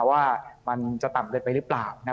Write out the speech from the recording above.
ว่ามันจะต่ำเกินไปหรือเปล่านะครับ